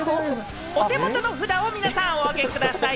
お手元の札を皆さん、お上げください。